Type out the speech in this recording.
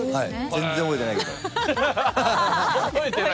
全然覚えてないけど。